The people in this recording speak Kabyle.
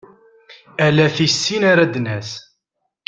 Ala tissin ara d-nas.